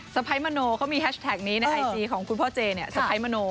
สะไพรมโนเขามีแฮชแท็กนี้ในไอจีของคุณพ่อเจสะไพรมโน